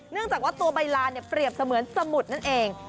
เนื่องจากว่าตัวใบลานเปรียบเสมือนสมุดนั่นเอง